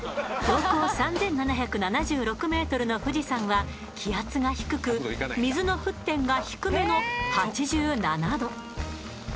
標高３、７７６ｍの富士山は気圧が低く水の沸点が低めの８７度。